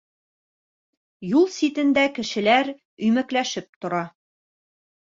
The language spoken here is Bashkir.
Юл ситендә кешеләр өймәкләшеп тора.